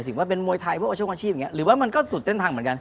ถึงว่าเป็นมวยไทยพวกอาชีพอย่างนี้หรือว่ามันก็สุดเส้นทางเหมือนกัน